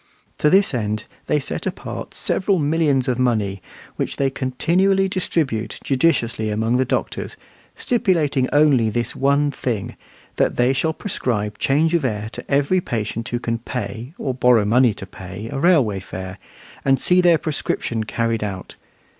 To this end they set apart several millions of money, which they continually distribute judiciously among the doctors, stipulating only this one thing, that they shall prescribe change of air to every patient who can pay, or borrow money to pay, a railway fare, and see their prescription carried out.